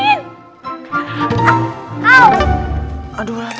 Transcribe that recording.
nggak mau lagi